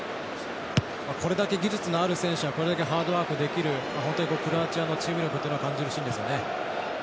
これだけ技術ある選手がこれだけハードワークできる本当にクロアチアのチーム力を感じるシーンですよね。